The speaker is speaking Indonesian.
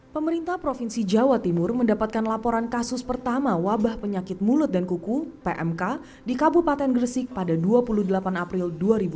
pemerintah provinsi jawa timur mendapatkan laporan kasus pertama wabah penyakit mulut dan kuku pmk di kabupaten gresik pada dua puluh delapan april dua ribu dua puluh